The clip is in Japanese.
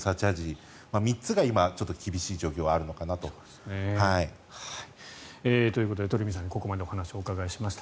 この３つが今は厳しい状況があるのかなと。ということで鳥海さんにここまでお話をお伺いしました。